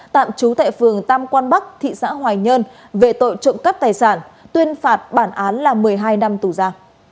tạm trú tại phường tam quan bắc thị xã hoài nhơn về tội trộm cắp tài sản tuyên phạt bản án là một mươi hai năm tù ra